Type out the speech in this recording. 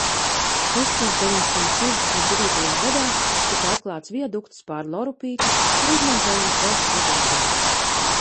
Tūkstoš deviņsimt sešdesmit devītajā gadā tika atklāts viadukts pār Lorupīti, kuru izmantojam vēl šobaltdien.